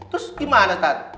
terus gimana ustadz